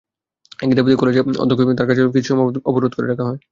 একই দাবিতে কলেজের অধ্যক্ষকে তাঁর কার্যালয়ে কিছু সময় অবরোধ করে রাখা হয়।